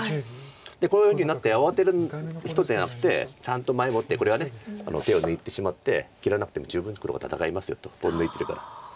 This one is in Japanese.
こういうふうになって慌てる人じゃなくてちゃんと前もってこれは手を抜いてしまって切らなくも十分黒が戦えますよとポン抜いてるから。